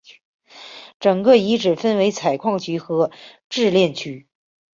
整个遗址分为采矿区和冶炼区。